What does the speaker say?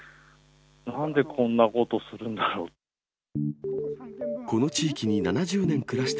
なんでこんなことするんだろうって。